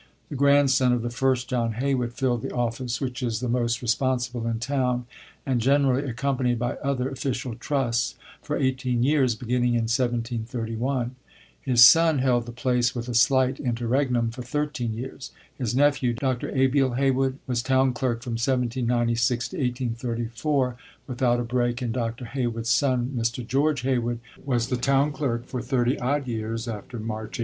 The grandson of the first John Heywood filled the office (which is the most responsible in town, and generally accompanied by other official trusts) for eighteen years, beginning in 1731; his son held the place with a slight interregnum for thirteen years; his nephew, Dr. Abiel Heywood, was town clerk from 1796 to 1834 without a break, and Dr. Heywood's son, Mr. George Heywood, was the town clerk for thirty odd years after March, 1853.